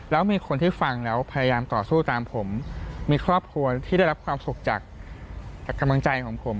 แล้วมีคนที่ฟังแล้วพยายามต่อสู้ตามผมมีครอบครัวที่ได้รับความสุขจากกำลังใจของผม